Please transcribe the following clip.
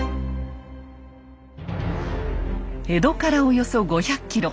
江戸からおよそ５００ｋｍ。